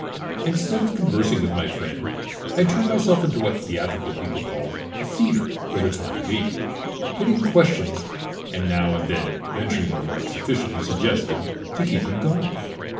Instead of conversing with my friend, I turned myself into what theatrical people call a "feeder" for the time being, putting questions, and now and then venturing a remark sufficiently suggestive to keep him going.